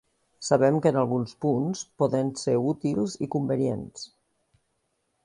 Sabem que en alguns punts poden ser útils i convenients.